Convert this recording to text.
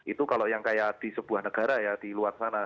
itu kalau yang kayak di sebuah negara ya di luar sana